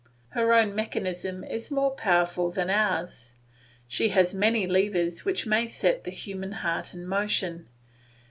Her own mechanism is more powerful than ours; she has many levers which may set the human heart in motion.